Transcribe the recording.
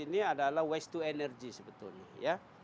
ini adalah waste to energy sebetulnya ya